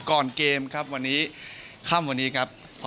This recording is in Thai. ก่อนเกมครับวันนี้ค่ำวันนี้ครับ